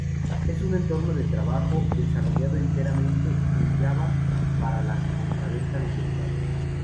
Es un entorno de trabajo, desarrollado enteramente en Java, para la compra-venta de derivados.